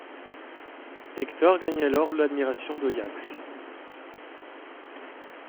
Hector gagne alors l'admiration d'Oiax.